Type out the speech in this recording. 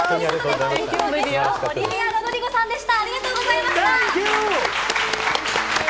以上、本日のゲスト、オリヴィア・ロドリゴさんでした！